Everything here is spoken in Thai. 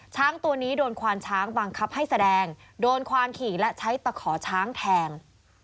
ช้างตัวนี้โดนควานช้างบังคับให้แสดงโดนควานขี่และใช้ตะขอช้างแทง